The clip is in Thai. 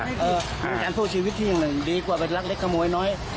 ต้องการพูดชีวิตที่มันดีกว่าไปรักเล็กขโมยน้อย